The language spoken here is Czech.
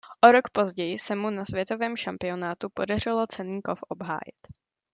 O rok později se mu na světovém šampionátu podařilo cenný kov obhájit.